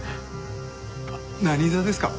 あっ何座ですか？